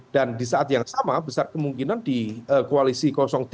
dan di saat yang sama besar kemungkinan di koalisi tiga